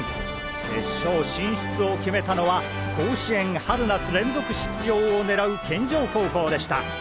決勝進出を決めたのは甲子園春夏連続出場を狙う健丈高校でした。